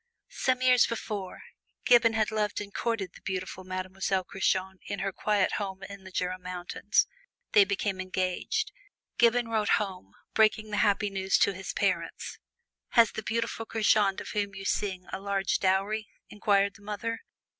Some years before, Gibbon had loved and courted the beautiful Mademoiselle Curchod in her quiet home in the Jura Mountains. They became engaged. Gibbon wrote home, breaking the happy news to his parents. "Has the beautiful Curchod of whom you sing, a large dowry?" inquired the mother.